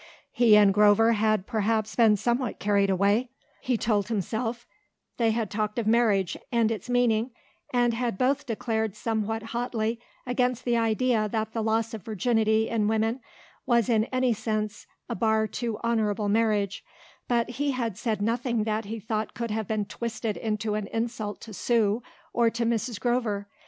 He and Grover had perhaps been somewhat carried away, he told himself; they had talked of marriage and its meaning and had both declared somewhat hotly against the idea that the loss of virginity in women was in any sense a bar to honourable marriage, but he had said nothing that he thought could have been twisted into an insult to Sue or to Mrs. Grover.